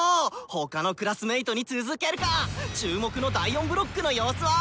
他のクラスメートに続けるか⁉注目の第４ブロックの様子は？